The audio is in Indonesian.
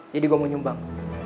jadi gue mau nyumbang